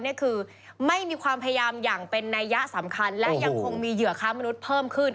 และยังคงมีเหยื่อค้ามนุษย์เพิ่มขึ้น